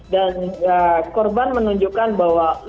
dan korban menunjukkan bahwa